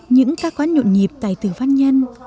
những các quán nhộn nhịp tài từ văn nhân